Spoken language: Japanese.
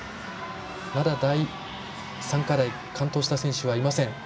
まだ第３課題完登した選手はいません。